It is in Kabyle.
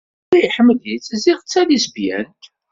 Yella iḥemmel-itt ziɣ d talisbyant.